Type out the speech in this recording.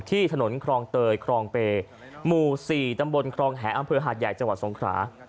ที่ถนนครองเตยครองเปย์หมู่๔ตำบลครองแหอำเภอหาดใหญ่จังหวัดสงขรา